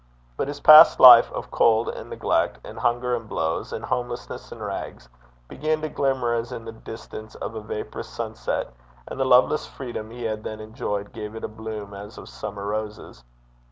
But his past life of cold and neglect, and hunger and blows, and homelessness and rags, began to glimmer as in the distance of a vaporous sunset, and the loveless freedom he had then enjoyed gave it a bloom as of summer roses.